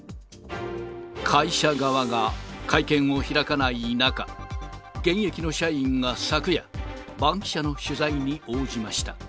会社側が会見を開かない中、現役の社員が昨夜、バンキシャの取材に応じました。